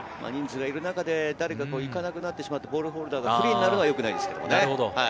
人数がいる中で誰かがいいかなくなってしまってボールホルダーがフリーになってしまうのはよくないですね。